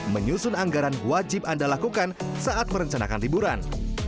menyusun anggaran wajib anda lakukan saat merencanakan liburan